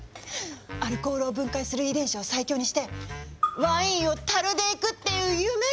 アルコールを分解する遺伝子を最強にしてワインを樽でいくっていう夢が！